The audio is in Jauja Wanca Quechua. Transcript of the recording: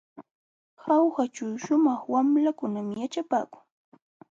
Jaujaćhu shumaq wamlakunam yaćhapaakun.